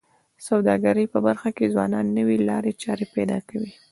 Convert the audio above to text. د سوداګرۍ په برخه کي ځوانان نوې لارې چارې پیدا کوي.